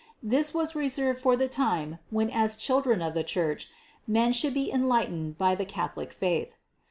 This was reserved for the time when as 438 CITY OF GOD children of the Church, men should be enlightened by the Catholic faith.